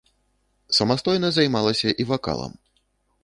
Самастойна займалася і вакалам.